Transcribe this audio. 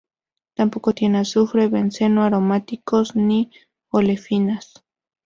Tampoco tiene azufre, benceno, aromáticos ni olefinas.